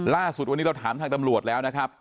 ล่าสุดวันนี้เราถามทางตำรวจแล้วนะครับ